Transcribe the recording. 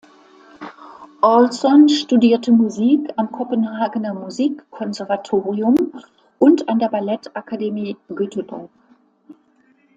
Olzon studierte Musik am Kopenhagener Musikkonservatorium und an der Ballettakademie Göteborg.